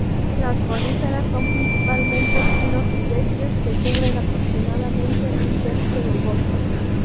Las coníferas son principalmente pinos silvestres, que cubren aproximadamente un tercio del bosque.